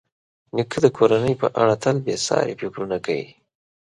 نیکه د کورنۍ په اړه تل بېساري فکرونه کوي.